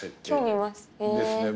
今日見ます。